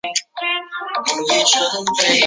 由丁谨接任知县。